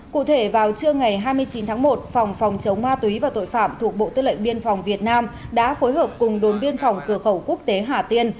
cụ thể vào trưa ngày hai mươi chín tháng một phòng phòng chống ma túy và tội phạm thuộc bộ tư lệnh biên phòng việt nam đã phối hợp cùng đồn biên phòng cửa khẩu quốc tế hà tiên